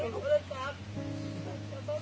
วันที่สุดท้ายเกิดขึ้นเกิดขึ้น